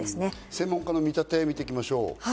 専門家の見立てを見ていきましょう。